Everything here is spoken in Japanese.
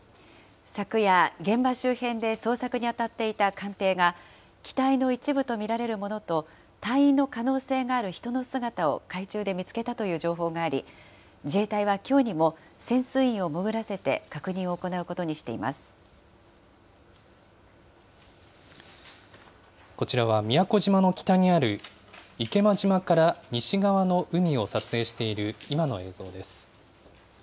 昨夜、現場周辺で捜索に当たっていた艦艇が、機体の一部と見られるものと、隊員の可能性がある人の姿を海中で見つけたという情報があり、自衛隊はきょうにも潜水員を潜らせて確認を行うことこちらは宮古島の北にある、池間島から西側の海を撮影している今の映像です。